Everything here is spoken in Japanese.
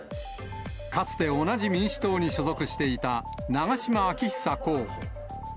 かつて同じ民主党に所属していた長島昭久候補。